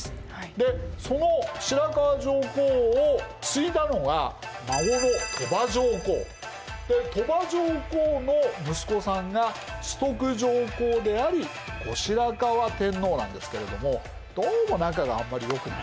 でその白河上皇を継いだのが孫の鳥羽上皇。で鳥羽上皇の息子さんが崇徳上皇であり後白河天皇なんですけれどもどうも仲があんまり良くない。